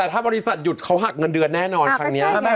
แต่ถ้าบริษัทหยุดเขาหักเงินเดือนแน่นอนครั้งนี้